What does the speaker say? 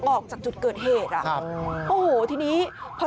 ออกจากจุดเกิดเหตุล่ะโอ้โฮทีนี้ครับ